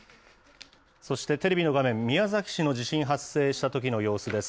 そしてテレビの画面、宮崎市の地震発生したときの様子です。